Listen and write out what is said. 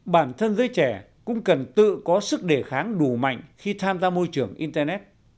bản thân giới trẻ cũng cần tự có sức đề kháng đủ mạnh khi tham gia môi trường internet